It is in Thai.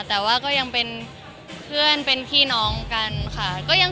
แต่ว่าก็ยังเป็นเพื่อนเป็นพี่น้องกันค่ะ